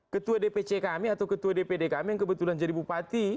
ketua dpc kami atau ketua dpd kami yang kebetulan jadi bupati